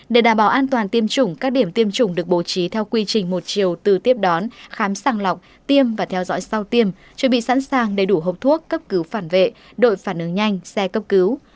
để đảm bảo an toàn tiêm chủng các điểm tiêm chủng được bố trí theo quy trình một chiều từ tiếp đón khám sàng lọc tiêm và theo dõi sau tiêm chuẩn bị sẵn sàng đầy đủ hộp thuốc cấp cứu phản vệ đội phản ứng nhanh xe cấp cứu